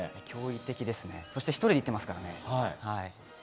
脅威的です、そして１人で行っていますからね。